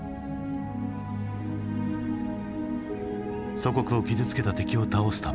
祖国を傷つけた敵を倒すため。